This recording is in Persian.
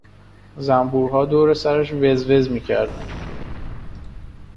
زنبورها دور سرش وزوز میکردند.